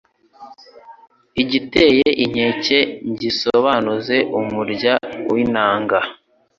igiteye inkeke ngisobanuze umurya w’inanga